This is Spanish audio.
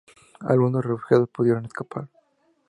Algunos de los refugiados pudieron escapar.